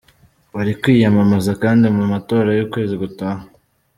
Ari kwiyamamaza kandi mu matora y'ukwezi gutaha.